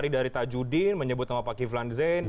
dari tajudin menyebut nama pak kiflan zain